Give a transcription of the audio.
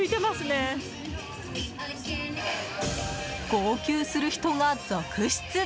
号泣する人が続出！